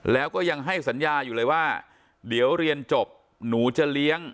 แล้วก็ยังให้สัญญาอยู่เลยว่าเดี๋ยวเรียนจบหนูจะเลี้ยง